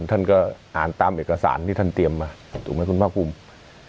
ท่านก็อ่านตามเอกสารที่ท่านเตรียมมาถูกไหมคุณภาคภูมิ